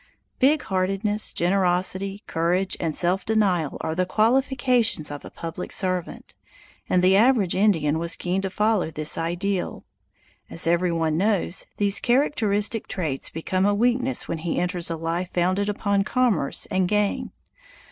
Big heartedness, generosity, courage, and self denial are the qualifications of a public servant, and the average Indian was keen to follow this ideal. As every one knows, these characteristic traits become a weakness when he enters a life founded upon commerce and gain.